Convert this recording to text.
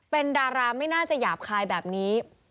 เป็นดาราไม่น่าจะหยาบคายแบบนี้